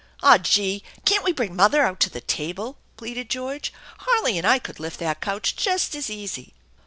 "Aw, gee! Can't we bring mother out to the table ?" pleaded George. "Harley and I could lift that couch just as easy."